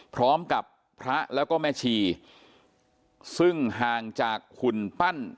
พร้อมกับพระแล้วก็แม่ชีซึ่งห่างจากหุ่นปั้น